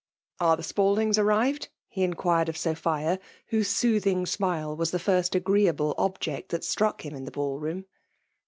*' ^we the Spaldings arrived ?" he inquired of Sophia, whose soothing smile was the first ilgceeable object that struck him in the ball* ro^m.